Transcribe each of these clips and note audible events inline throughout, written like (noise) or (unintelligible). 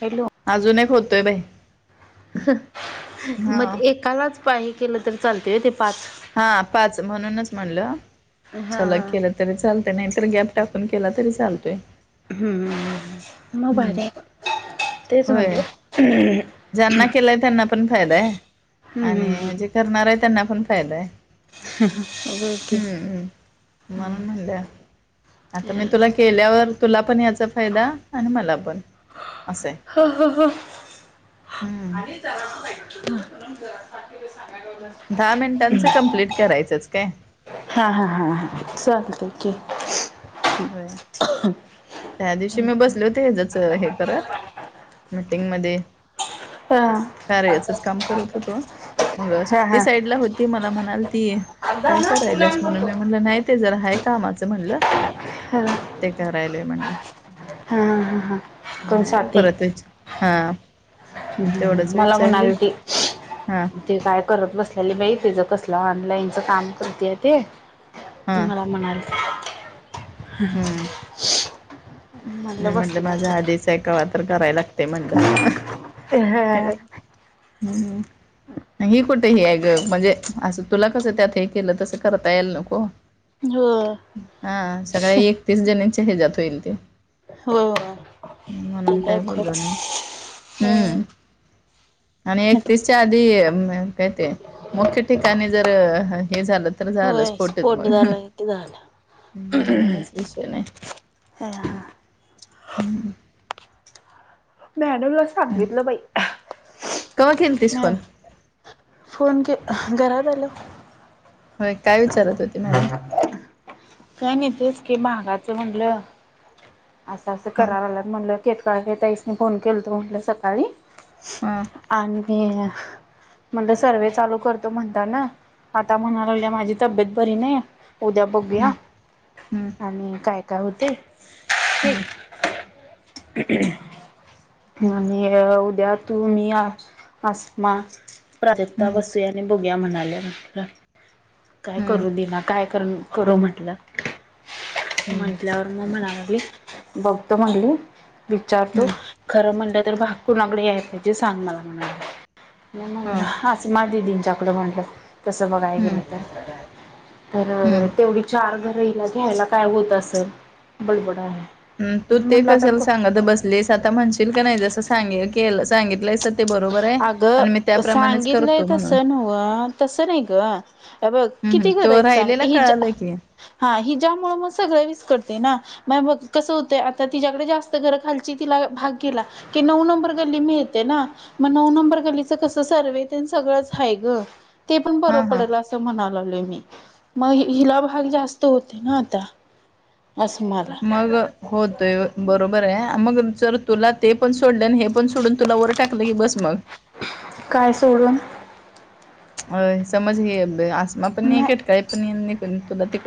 Hello! अजून एक होतोय बाई हा मग एकालाच पायी केलं तरी चालते ते पाच हा पाच म्हणूनच म्हणल हा चला हा केलं तरी चाल नाही तर गॅप टाकून केला तरी चालतय. हह म भारी आहे तेच व्हय म्हटलं ज्यांना केलंय त्यांना पण फायदा आहे हम्म हम्म आणि हम्म म्हणजे करणार आहे त्यांना पण फायदा आहे. होय की हम्मम् म्हणून म्हणलं आता मी तुला केल्यावर तुला पण याचा फायदा आणि मला पण असं आहे हो हो हम्म दहा मिनिटांचं कम्प्लीट करायचंच काय हा हा हा हा चालत क होय त्या दिवशी मी बसल जच हे करत मीटिंग मध्ये हां कार्यचच काम करत होतो मग हा ती साईडला होती मला म्हणाल ती काय करायलास म्हणून मी म्हणलं नाही ते जरा हाय कामाचं म्हणलं ह ते करालोय म्हणल हा हा कोण नाही स्वाती परत विच - हा तेवढंच मला विचारले म्हणाल ती हा ते काय करत बसल्याली बाई तीच कसलं ऑनलाईनच काम करतेय ते हा मला म्हणाल ह हम्म मी म्हणलं बसले माझ्या आधीच हे कवा - तरी करायला लागते म्हणलं अ हम्म ह कुठे हे ग म्हणजे असं तुला कसं त्यात हे केलं तस करता याल नको हा सगळ्या एक तेच जण्याचे हजात होईल ते हो ते म्हणून काय बोललो खत नाही हम्म आणि एकतीस च्या आधी काय ते मुख्य ठिकाणी जर हे झाल तर झालं होय स्फोटीत स्पोट मग झाला कि झाला म्हणूनच विषय नाही (unintelligible) हम् मॅडमला सांगितलं बाई कवा केलतीस ह फोन फोन के घरात अलो होय काय विचारत होती मॅडम काय नाही तेच की महागाच म्हटलं असं असं हां करा लागल्यात म्हटलं केत काळ के तईस नो फोन केलतो म्हटलं सकाळी हां आणि म्हणलं सर्व्हे चालू करतो म्हणता ना, आता म्हणा लागल्या माझी तब्येत बरी नाही उद्या हं बघूया हं आणि काय काय होतय हं (unintelligible) हं आणि उद्या तु मी आ आसमा प्राजक्ता बसूया आणि बघुया म्हणाल्या, म्हटलं काय हं हं करू दिना काय कर. करू म्हटलं, हं म्हटल्यावर मग म्हणा लागली बघतो म्हटली विचारतो हं खरं म्हणलं तर भाग कुणाकडे याय पाहिजे? सांग मला म्हणा लागली मी हां म्हणलं आस्मा दिदींच्या कड म्हटलं तसं बघाय हं गेलं तर हं तर तेवढी चार घर हीला घ्यायला काय होत असल बडबडा लागल्या ह तू ते कशाला सांगत बसलीस आता म्हणशील का नाही जस सांग के सांगितलंयस ते बरोबर आहे अग आणि मी त्याप्रमाणेच सांगितलंय करतो तस म्हणून नव्ह तस नाही ग हे बघ हं हं किती घर तो हायत सांग राहिलेला हिजा कळालं की हा हिजामुळ मग सगळ विस्कटतय ना म हे बघ कसं होतंय आता तिच्याकडे जास्त घरं खालची तिला भाग गेला की नऊ नंबर गल्ली मिळते ना मग नऊ नंबर गलीच कस सर्वे तेन सगळंच आहे ग ते पण बरं हां हां पडल अस म्हणा लागलोय मी मग हि हिला भाग जास्त होते ना आता असमाल - मग होतोय बरोबर आहे मग जर तुला ते पण सोडल आणि हे पण सोडून तुला वर टाकलं की बस मग काय सोडून अ समज हे ब आसमा पण नाही केटकाळी पण नाही पण तुला ते-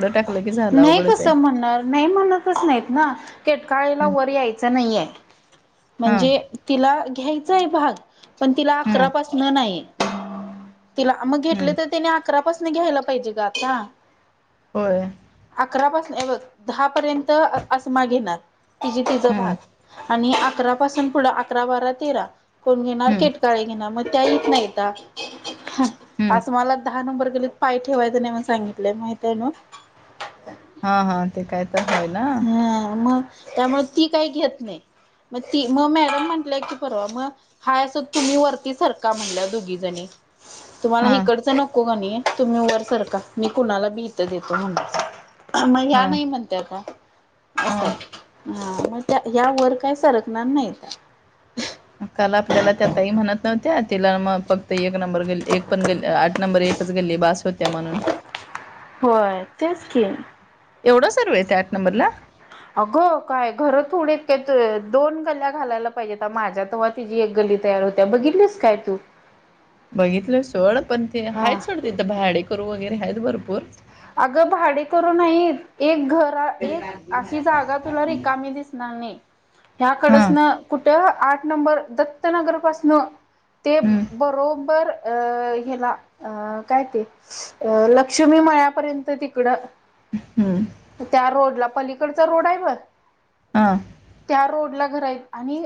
नाही कसं म्हणणार नाही म्हणतच नाहीत ना- केटकाळेला हम्म वर यायचं नाहीये. हा म्हणजे तिला घ्यायचय भाग पण तिला हम्म अकरापासन नाही. तिला मग घेतले हम्म तर त्यानी अकरा पाासून घ्यायला पाहिजे ग आता. होय अकरापासन हे बघ दहापर्यंत आसमा घेनार. तिजे तिचा हम्म भाग, आणि अकरा पासून पुढं अकरा, बारा, तेरा. कोण घेणार, हम्म केटकाळे घेणार, मग त्या यत नाहीता. हम्म असं मला दहा नंबर गली पाय ठेवायचं नाही म्हणून सांगितलंय माहित आहे ना. हा, हा, ते काय तर होय ना. ह मग त्यामुळे ती काही घेत नाही, मग ती मग मॅडम म्हंटलंय की परवा मग. हाय असं तुम्ही वरती सारका म्हणल दोघी जणी. तुम्हाला हा इकडचं नको कणी तुम्ही वर सरका मी कुणाला बी इथं देतो म्हणल मग हा या नाही म्हणत्याता हा असाय ह मग त्या ह्या वर काय सरकणार नाहीत काल आपल्याला त्या तई म्हणत नव्हत्या तिला मग फक्त एक नंबर गल्ली एक पण गल्ली - नंबर एकच गल्ली बास होत्या म्हणून. होय, तेच की. एवढं सर्व आहे त्या आठ नंबरला. अगं काय, घरं थोडी काय दोन गल्ल्या घालायला पाहिजेत माझ्यात तिची एक गल्ली तयार होत्या, बघितलीस काय तू? बघितलं सोड, पण ते हा आहेत सोड तिथं भाडे करू वगैरे आहेत भरपूर. अगं भाडे करू नाही एक घर एक अशी जागा तुला रिकामी दिसणार नाही. हा ह्याकडेच ना कुठं आठ नंबर दत्तनगर पाासन. ते हम्म बरोबर अ ह्याला, अ काय ते अ लक्ष्मी म्ह पर्यंत तिकडं हम्म, त्या रोड ला, पलीकडचा रोड आहे बग हा, त्या रोड ला घर आहेत, आणि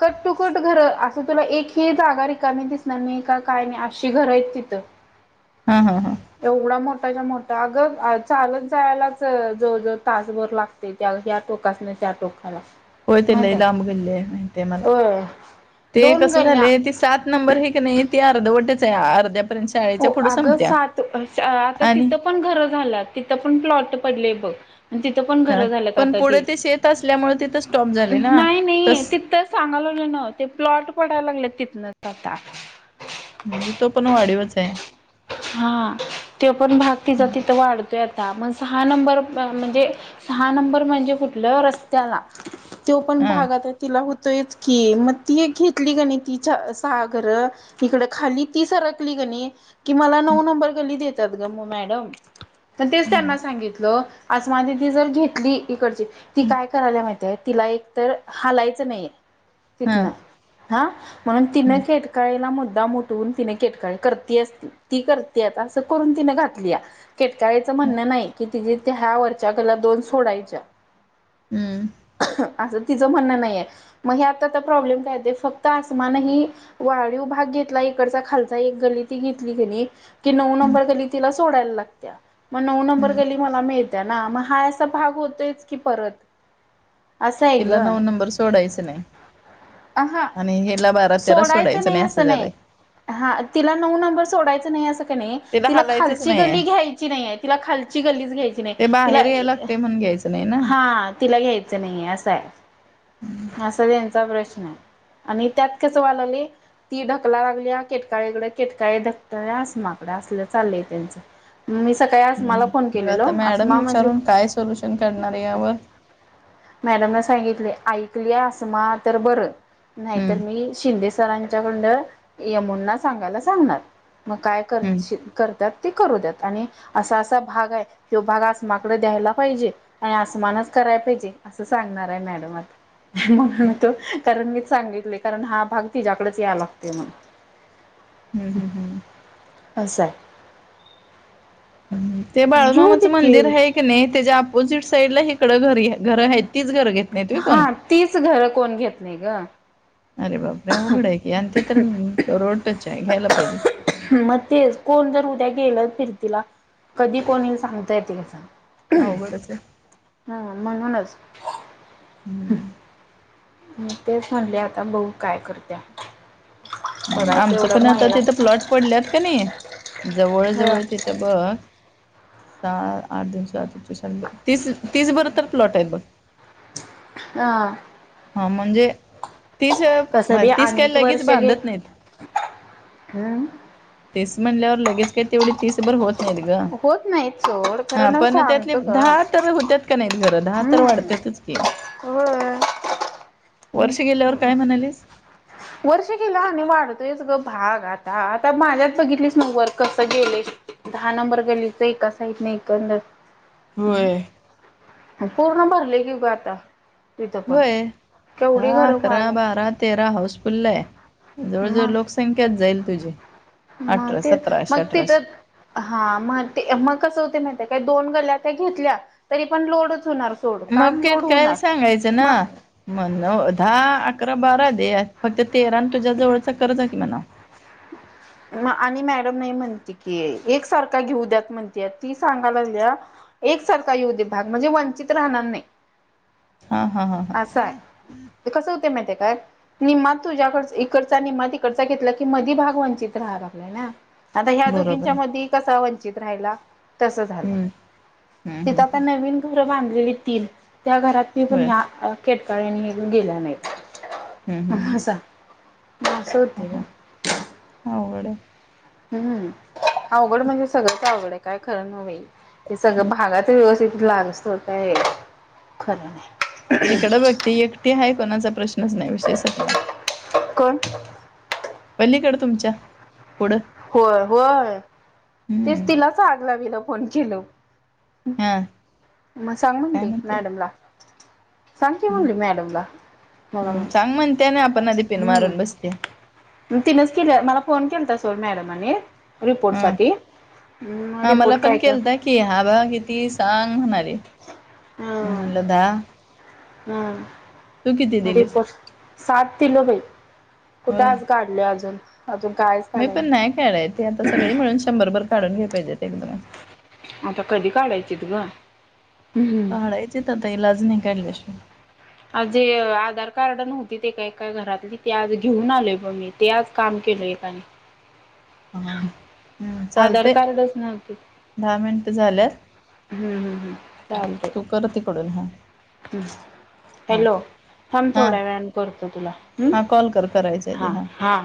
कट टु कट घर, असं तुला एकही जागा रिकाणी दिसणार नाही का काय नाही अशी घरं आहे तिथं. हा, हा, हा एवढा मोठ च्या मोठं अगं चालत जायलाच जवळजवळ तासभर लागते, त्या ह्या टोकासने त्या टोका हॅल (unintelligible) होय ते लई लांब गल्ले माहिती आहे मला, होय ते दोन कस गल्ल्या झालेय ते सात नंबर हे का नाही ते अर्धवटच आहे, अर्ध्या हो अगं, सात आता आणि तिथं पण घरं झाला तिथं पण प्लॉट पडले बघ तिथं पण हा, घर झालं पण आता पुढे ती, ते शेत असल्यामुळे तिथं स्टॉप झाले ना नाही मी तस तिथच सांगायला लागलोय ना, ते प्लॉट पडायला लागले तिथनच आता. म्हणजे तो पण वाढीवच आहे. हा, तो पण भाग हा तिचा तिथं वाढतोय आता मण सहा नंबर म्हणजे सहा नंबर म्हणजे कुठलं रस्त्याला, तो पण हा भागात तिला तेच की, मग ती एक घेतली का नाही तिच्या सहा घर तिकड खाली, ती सरकली कणी कि मला नऊ नंबर गली देतात ग मग मॅडम, तर तेच त्यांना हम्म सांगितलं आज माझी ती जर घेतली इकडची, ती काय करायला माहितीय तिला एक तर हालायचं नाहीे तिथनं हा. म्हणून तिनं हम्म खेड काळे मुद्दाम उठून तिने खेटकाळी करतीस म्हणून ती करते आता असं करून तिने घातली या, केटकाळीचं म्हणणं नाही की तिने त्या ह्या वरच्या गल्ल्या दोन सोडायच्या. हम्म, असं तिचं म्हणणं नाहीये, मग हे आता प्रॉब्लेम काय ते फक्त आसमानही वाळीव भाग घेतला इकडचा खालचा एक गल्ली, ती घेतली ती कणी ती नऊ नंबर गल्ली तिला सोडायला लागतीया मग नऊ नंबर हम्म गल्ली मला मिळत त्या ना मग हा असा भाग होतोयच की परत असं आहे ग तिला नऊ नंबर सोडायच नाही हा आणि हेला बारा तेरा सोडायचं नाही असं झालंय हा तिला नऊ नंबर सोडायचा नाही असं काय नाही तिला हालायचंच खालची नाहीये गली घ्यायची नाहीय, तिला खालची गलीच घ्यायची नाही ते तिला बाहेर याय लागते म्हणून घ्यायचं नाही ना हा तिला घ्यायचं नाहीे असं आहे, असा त्यांचा प्रश्न आहे. आणि त्यात कस व्हायला लागले, ती ढकला लागली केटकाळीकडे केटकाळी ढक त आस माकडे असलं चालय त्यांचं (unintelligible) मी सकाळी आसमाला हम्म फोन मग केलेलो, आता मॅडम आसमा म्हणली विचारून काय सोल्युशन काढणार यावर मॅडमने सांगितलय ऐकली आसमा तर बरं नाही हम्म तर मी शिंदे सरांच्याकंडन यमुंना सांगायला सांगणार मग काय हम्म करचील करतात ते करू दयात आणि असा असा भाग हाय ह्यो भाग असमाकडे द्यायला पाहिजे आणि आसमानच करायला पाहिजे असं सांगणार आहे मॅडमासनी म्हणून म त्यो कारण मीच सांगितलंय कारण हा भाग तिचाकडचं यालागतंय म्हणून हम् हम् हम् असच हाय हम्म ते घेऊ दे बाळूमामाचं मंदिर हाय की नाही त्याच्या अपोजिट साईड ला इकडं घरी घरं आहे तीच घर घेत नाहीत व्हय हा कोण तीच घरं कोण घेत नाही ग अरे बापरे अवघड आहे की आणि ते तर रोडटच आहे घ्यायला पाहिजे मग तेच कोण जर उद्या गेलं फिरतीला कधी कोणी येईल सांगता येतंय काय सांग अवघडच हाय हा म्हणूनच हम्म मी तेच म्हणलिया आता बऊ काय करतिया आमचं पण आता तिथं प्लॉट पडल्यात कणी जवळ ह जवळ तिथं बघ सहा आठ दोनी सहा.. तीस तीस भर तर प्लॉट आहेत बघ हा हा म्हणजे तीस कसं म बी तीस काय अनेक लगेच वर्ष गेल बांधत नाहीत हम्म तीस म्हटल्यावर लगेच काय तेवढी तीसभर होत होत नाही सोड हा खरं ना पण त्यातले सांगतो ग दहा तर हुत्यात कणी घर दहा तर हम्म वाढत्यातच की होय वर्ष गेल्यावर काय म्हणालीस वर्ष गेलं आणि वाढतोयच ग भाग आता आता माझ्यात बघितलीस मग वर कस गेलंय दहा नंबर गल्लीच एका साईटन एकंदर होय पूर्ण भरलय कि गं आता तिथं पण होय केवढी दहा घरं अकरा व्हायला बारा तेरा हाऊस फुल्ल आहे जवळ जवळ मग लोक संख्यात जाईल तुझी मग अठरा तेच सतराशे मग अठराशे तिथंच हा मग ते मग कसं होतंय माहितय काय दोन गल्या त्या घेतल्या तरी पण लोडच होणार सोड मग काम लोड केटकाळेला होणार सांगायचं ना मग म्हण दहा अकरा बारा दे फक्त तेरा आणि तुझ्या जवळचा कर जा की आहे की म्हणा आणि मॅडम नाही म्हणते की एक सारखा घेऊ द्यात म्हणते ती सांगायला लागल्या एकसारखा येऊ दे भाग म्हणजे वंचित राहणार नाही हा हा हा हा अस हाय, ते कसं होते माहिती काय निम्मा तुझ्याकडचा, इकडचा निम्मात इकडचा घेतला की मधी भाग वंचित राहा लागला ना. आता ह्या बरोबर दोघींच्या हम्म मध्ये कसा वंचित राहिला. तस झालं. हम्म तिथं हम्म आता नवीन घर बांधलेली तीन. त्या घरात ते पण होय या अ केटकाळनी नि गेला हम्म नाहीत. हम्म हसा. हसावं हो तिला. हो अवघड हाय हम्म अवघड म्हणजे सगळंच अवघड आहे काय खरं नई बाई हे सगळं भागाचं व्यवस्थित लागूस तोवर काय खरं नाही तिकडं बघ ती एकटी हाय कोणाचा प्रश्नच नाही विषय सपला कोण पलीकडं तुमच्या पुढं होय होय. तेच हम्म तिला आगलावीला फोन केल. हां. मग सांग म्हणले, मॅडमला. सांग की म्हणली हम्म मॅडमला, मला सांग म्हणते ना आपण आधी पिन हम्म. मारून बसते तिनच केलं मला फोन केलाता समोर मॅडमने. रिपोर्ट हा साठी. हा मला रिपोर्ट पण काय का? केलता की हा बा किती सांग? म्हणाले. हम. म्हणला दहा. ह तू किती म दिलीस रिपोर्ट सात किलो भेटते. कुठं होय आज गा अजून, अजून काय? मी पण नाही खेळालले ते आता सगळी मिळून शंभरभर काढून घे पाहिजेत एकदम. आता कधी काढायचित ग. हम्म. काढायची आहेत आता इलाज नाही काढल्याशिवाय. आज जे आधार कार्ड नव्हती, ते एका घरातली ते आज घेऊन आलय बघ मी. ते आज काम केलं एकाने. हा आधार चालतेय कार्डच नव्हते. दहा मिनटं झाल्यात. हम्म हम् हम्. तू कर तिकडून हा. हुं हुं. हा हॅलो ठेव थांब हा थोड्या वेळाने करतो तुला. हम् हा कॉल कर करायचंय ते हा हा.